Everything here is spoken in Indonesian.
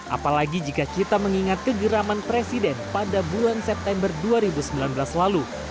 apalagi jika kita mengingat kegeraman presiden pada bulan september dua ribu sembilan belas lalu